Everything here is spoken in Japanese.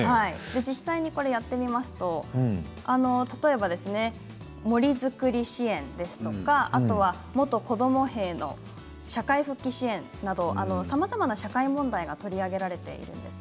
実際にやってみますと例えば、森作り支援とか元子ども兵の社会復帰支援などさまざまな社会問題が取り上げられています。